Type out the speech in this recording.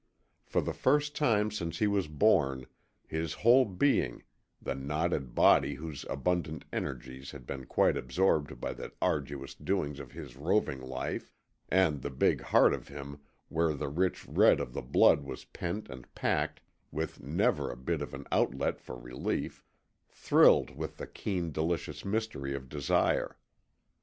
For the first time since he was born, his whole being the knotted body whose abundant energies had been quite absorbed by the arduous doings of his roving life, and the big heart of him where the rich red of the blood was pent and packed with never a bit of an outlet for relief thrilled with the keen, delicious mystery of Desire.